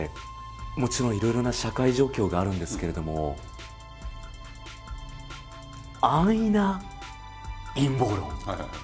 もちろんいろいろな社会状況があるんですけれども安易な陰謀論